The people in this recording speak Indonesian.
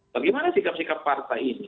bagaimana sikap sikap partai ini